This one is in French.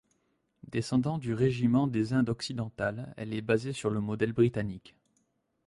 Descendant du régiment des Indes occidentales, elle est basée sur le modèle britannique.